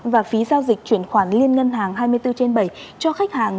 và phí giao dịch chuyển khoản liên ngân hàng hai mươi bốn trên bảy cho khách hàng